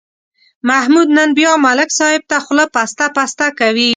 محمود نن بیا ملک صاحب ته خوله پسته پسته کوي.